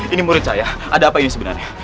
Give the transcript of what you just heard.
ini murid saya ada apa ini sebenarnya